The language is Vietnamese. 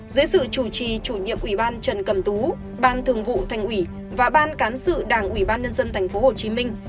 dưới sự chủ trì chủ nhiệm ủy ban trần cầm tú ban thường vụ thành ủy và ban cán sự đảng ủy ban nhân dân thành phố hồ chí minh